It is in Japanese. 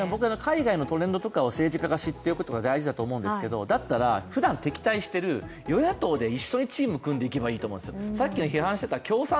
海外のトレンドとかを政治家が知っておくのは大事だと思うんですけど、だったらふだん敵対している与野党で一緒にチーム組んで行けばいいと思うんですよ。